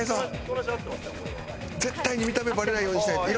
絶対に見た目バレないようにしないと。